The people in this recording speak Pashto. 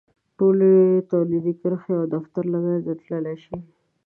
ټولې تولیدي کرښې او دفترونه له منځه تللی شي.